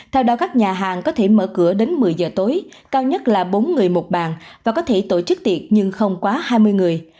theo đó các nhà hàng có thể mở cửa đến một mươi giờ tối cao nhất là bốn người một bàn và có thể tổ chức tiệc nhưng không quá hai mươi người